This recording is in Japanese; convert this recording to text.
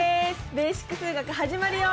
「ベーシック数学」始まるよ！